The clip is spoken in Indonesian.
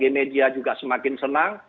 media juga semakin senang